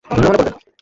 ধন্য মনে করবে?